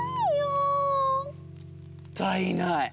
もったいない。